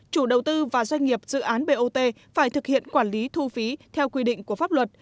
chủ đầu tư và doanh nghiệp dự án bot phải thực hiện quản lý thu phí theo quy định của pháp luật